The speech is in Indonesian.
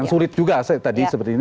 sulit juga tadi seperti ini